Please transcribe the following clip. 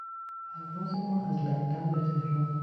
پرواز ما از لندن به تهران